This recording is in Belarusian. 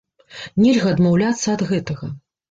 Нельга адмаўляцца ад гэтага.